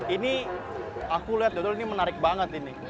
ini aku lihat dodol ini menarik banget ini